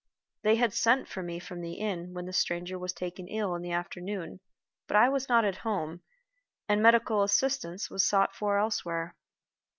They had sent for me from the inn when the stranger was taken ill in the afternoon, but I was not at home, and medical assistance was sought for elsewhere.